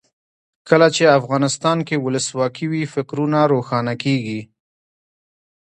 کله چې افغانستان کې ولسواکي وي فکرونه روښانه کیږي.